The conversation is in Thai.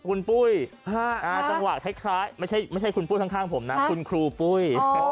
คนปุ้ยจังหวัดคล้ายไม่ใช่คุณปุ้ย๓๖๓หัวไม่ใช่คุณปุ้ยข้างผมคุณครูปุ้ย